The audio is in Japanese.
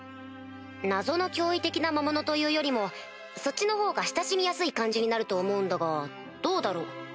謎の脅威的な魔物というよりもそっちのほうが親しみやすい感じになると思うんだがどうだろう？